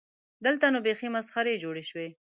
دلته نو بیخي مسخرې جوړې شوې.